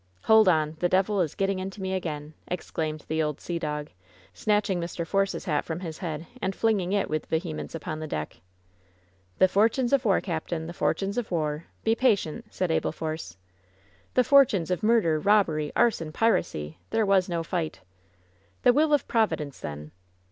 Hold on! The devil is getting into me again!" exclaimed the old sea do% ■' I. 44 WHEN SHADOWS DIE snatching Mr. Force's hat from his head and flinging it with vehemence upon the deck. "The fortunes of war, captain — the fortunes of warl Be patient !'' said Abel Force. "The fortunes of murder, robbery, arson, piracy 1 There was no fight!" "The will of Providence, then."